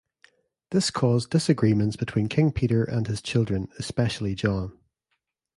This caused disagreements between King Peter and his children especially John.